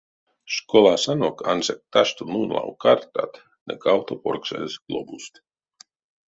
Школасонок ансяк ташто нулав картат ды кавто порксазь глобуст.